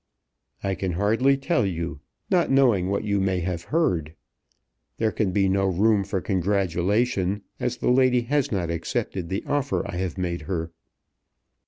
"I can hardly tell you, not knowing what you may have heard. There can be no room for congratulation, as the lady has not accepted the offer I have made her."